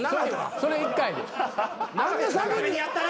それ１回で。